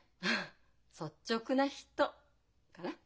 率直な人かな。